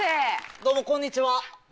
どうもこんにちは。